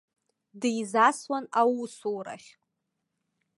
Дизасуан аусурахь.